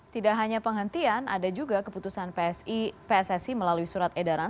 tidak hanya penghentian ada juga keputusan pssi melalui surat edaran